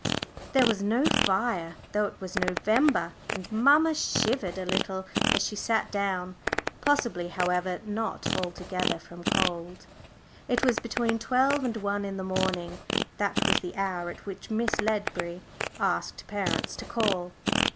There was no fire, though it was November, and mamma shivered a little as she sat down, possibly, however not altogether from cold. It was between twelve and one in the morning that was the hour at which Miss Ledbury asked parents to call.